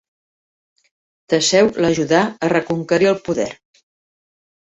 Teseu l'ajudà a reconquerir el poder.